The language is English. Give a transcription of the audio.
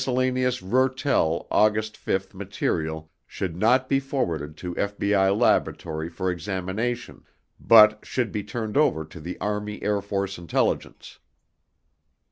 REURTEL AUGUST 5 MATERIAL SHOULD NOT BE FORWARDED TO FBI LABORATORY FOR EXAMINATION BUT SHOULD BE TURNED OVER TO THE ARMY AIRFORCE INTELLIGENCE.